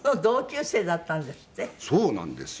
そうなんですよ。